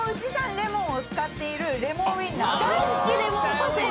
使っているレモンウインナー。